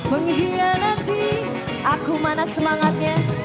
mengkhianati aku mana semangatnya